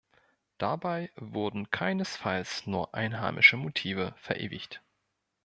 Dabei wurden keinesfalls nur einheimische Motive verewigt.